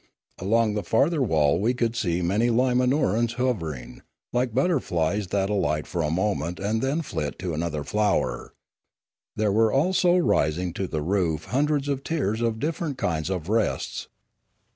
Along the farther wall we could see many Li ma nor a us hover ing, like butterflies that alight for a moment and then flit to another flower. There were also rising to the roof hundreds of tiers of different kinds of rests.